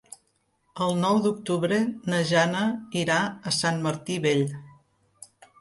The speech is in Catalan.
El nou d'octubre na Jana irà a Sant Martí Vell.